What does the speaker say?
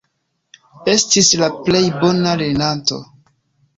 Estis la plej bona lernanto.